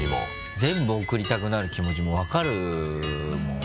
全部送りたくなる気持ちも分かるもん俺。